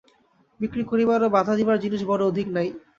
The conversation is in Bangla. বিক্রি করিবার ও বাঁধা দিবার জিনিস বড়ো অধিক নাই।